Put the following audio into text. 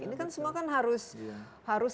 ini kan semua kan harus